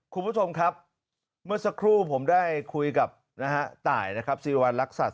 คุณผู้ชมครับเมื่อสักครู่ผมได้คุยกับต่ายซีรวรรณรักษัตริย์